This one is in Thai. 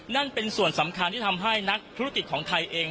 นั่นเป็นส่วนสำคัญที่ทำให้นักธุรกิจของไทยเอง